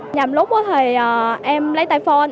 nhằm lúc em lấy tay phone